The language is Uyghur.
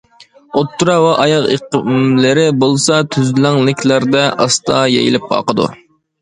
ئوتتۇرا ۋە ئاياغ ئېقىملىرى بولسا تۈزلەڭلىكلەردە ئاستا يېيىلىپ ئاقىدۇ.